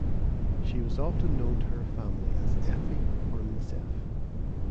She was often known to her family as "Effie" or "Miss Ef".